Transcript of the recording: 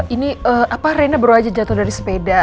ini apa rena baru aja jatuh dari sepeda